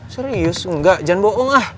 serius enggak jangan bohong ah